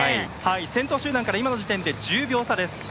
先頭集団から今の時点で１０秒差です。